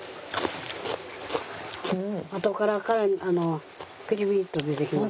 あとから辛みピリピリッと出てきますよ。